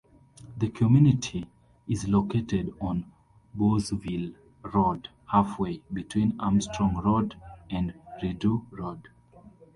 The community is located on Bowesville Road halfway between Armstrong Road and Rideau Road.